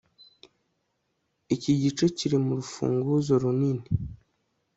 Iki gice kiri murufunguzo runini